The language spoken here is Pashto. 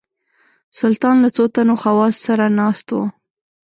سلطان له څو تنو خواصو سره ناست وو.